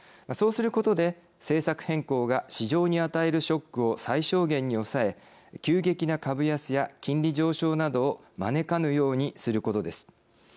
そうすることで、政策変更が市場に与えるショックを最小限に抑え急激な株安や金利上昇などを招かぬようにすることです。